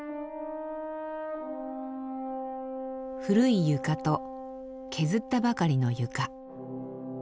古い床と削ったばかりの床。